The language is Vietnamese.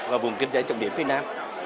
và vùng kinh tế trọng điểm phía nam